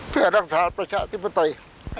เพื่อนักศาสตร์ประชาธิปไตย